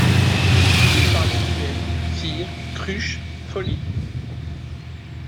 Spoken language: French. Ils parlaient duels, filles, cruches, folies.